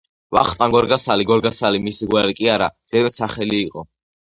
''ვახტანგ გორგასალი'' გორგასალი მისი გვარი კი არა ზედმეტ სახელი იყო.